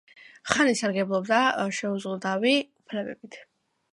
ხანი სარგებლობდა შეუზღუდავი უფლებებით.